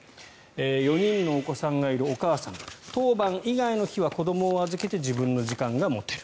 ４人のお子さんがいるお母さん当番以外の日は子どもを預けて自分の時間が持てる。